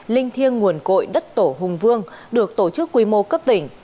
linh thiêng nguồn cội đất tổ hùng vương được tổ chức quy mô cấp tỉnh